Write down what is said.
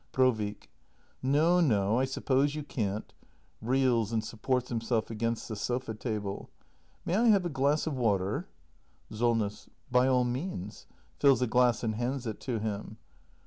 Brovik. No, no; I suppose you can't. [Reels and supports him self against the sofa table.] May I have a glass of water? Solness. By all means. [Fills a glass and hands it to him.